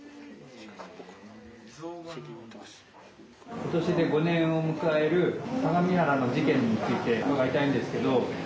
今年で５年を迎える相模原の事件について伺いたいんですけど。